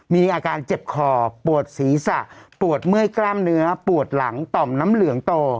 มีอาการเจ็บคอปวดศีรษะปวดเมื่อยกล้ามเนื้อปวดหลังต่อมน้ำเหลืองโต